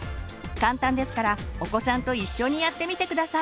簡単ですからお子さんと一緒にやってみて下さい。